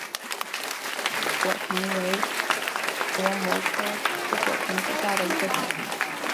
翅果藤为萝藦科翅果藤属下的一个种。